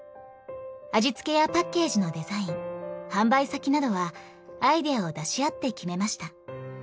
味付けやパッケージのデザイン販売先などはアイデアを出し合って決めました。